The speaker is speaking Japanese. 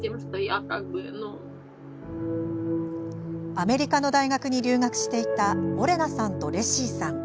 アメリカの大学に留学していたオレナさんとレシィさん。